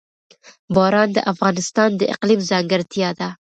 باران د افغانستان د اقلیم ځانګړتیا ده.